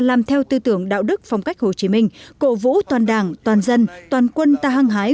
làm theo tư tưởng đạo đức phong cách hồ chí minh cộ vũ toàn đảng toàn dân toàn quân ta hăng hái